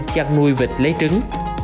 chắc nuôi vịt lấy trứng